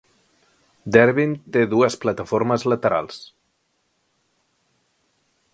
Darebin té dues plataformes laterals.